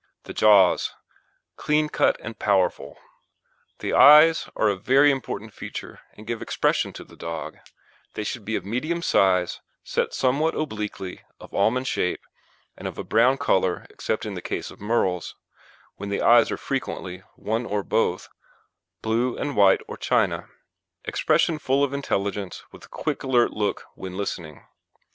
THE JAWS Clean cut and powerful. THE EYES are a very important feature, and give expression to the dog; they should be of medium size, set somewhat obliquely, of almond shape, and of a brown colour except in the case of merles, when the eyes are frequently (one or both) blue and white or china; expression full of intelligence, with a quick alert look when listening.